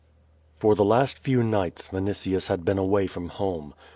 For the last few nights Vinitius had been away from home.